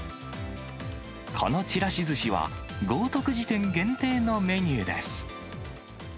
このちらしずしは、豪徳寺店限定のメニューです。